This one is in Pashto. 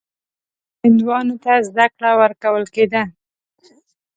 هندوانو ته زده کړه ورکول کېده.